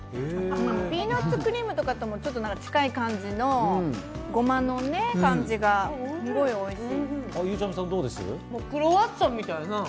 ピーナッツクリームとも近い感じの、ゴマの感じがすごいおいしい！